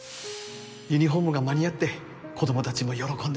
ユニホームが間に合って子供たちも喜んでました